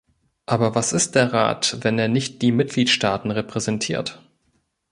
Aber was ist der Rat, wenn er nicht die Mitgliedstaaten repräsentiert?